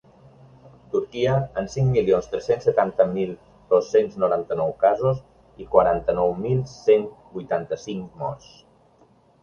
Turquia, amb cinc milions tres-cents setanta mil dos-cents noranta-nou casos i quaranta-nou mil cent vuitanta-cinc morts.